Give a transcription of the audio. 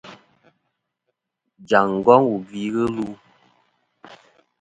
Jaŋ ngong wù gvi ghɨ lu.